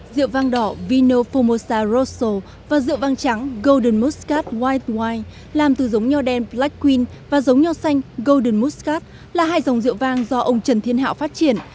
rượu vàng đỏ vino formosa rosso và rượu vàng trắng golden muscat white wine làm từ giống nho đen black queen và giống nho xanh golden muscat là hai dòng rượu vàng do ông trần thiên hạo phát triển